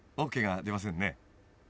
ＯＫが出ませんね］